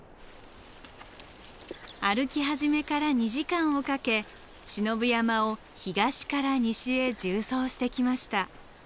歩き始めから２時間をかけ信夫山を東から西へ縦走してきました。